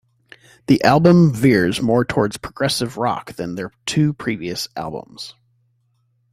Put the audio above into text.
The album veers more towards progressive rock than their previous two albums.